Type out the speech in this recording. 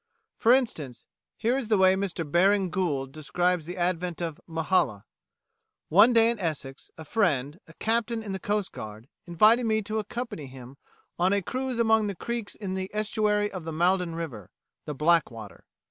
For instance, here is the way Mr Baring Gould describes the advent of "Mehalah." "One day in Essex, a friend, a captain in the coastguard, invited me to accompany him on a cruise among the creeks in the estuary of the Maldon river the Blackwater.